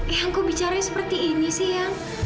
eang kok bicara seperti ini sih eang